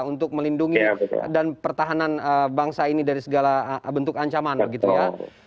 untuk melindungi dan pertahanan bangsa ini dari segala bentuk ancaman begitu ya